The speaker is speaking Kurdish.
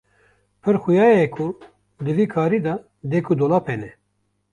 Pir xuya ye ku di vî karî de dek û dolap hene.